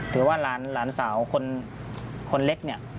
หรือว่าหลานสาวคนเล็กเนี่ย